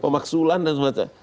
pemaksulan dan semacam